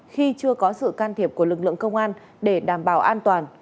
khi chưa có sự can thiệp của lực lượng công an để đảm bảo an toàn